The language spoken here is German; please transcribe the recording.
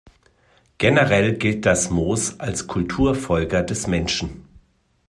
Generell gilt das Moos als Kulturfolger des Menschen.